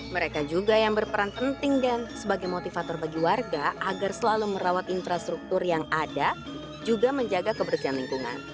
mereka juga yang berperan penting dan sebagai motivator bagi warga agar selalu merawat infrastruktur yang ada juga menjaga kebersihan lingkungan